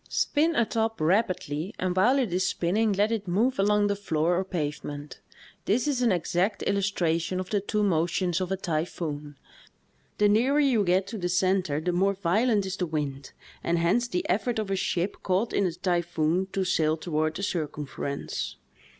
Spin a top rapidly and while it is spinning let it move along the floor or pavement. This is an exact illustra tion of the two motions of a typhoon. The nearer you get to the center the more violent is the wind, and hence the efibrt of a ship caught in a typhoon to sail toward the circumference.